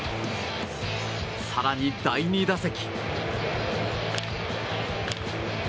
更に、第２打席。